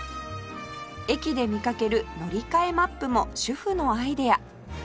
駅で見かける「乗り換えマップ」も主婦のアイデア